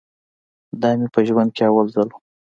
دا مې په ژوند کښې اول ځل و.